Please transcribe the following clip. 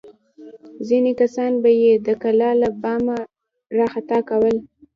ځینې کسان به یې د کلا له بامه راخطا کول.